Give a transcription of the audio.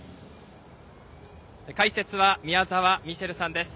解説は宮澤ミシェルさんです。